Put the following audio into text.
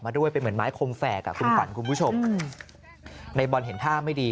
ด้วยเป็นเหมือนไม้คมแฝกอ่ะคุณขวัญคุณผู้ชมในบอลเห็นท่าไม่ดี